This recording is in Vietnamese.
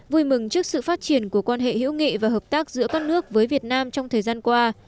vui mừng trước sự phát triển của quan hệ hữu nghị và hợp tác giữa các nước với việt nam trong thời gian qua